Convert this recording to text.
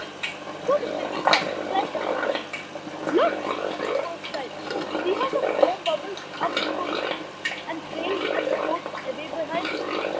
So the second child climbed upon the log. "Look!" said the first child. "See how the foam bubbles up before the ship, and trails and floats away behind!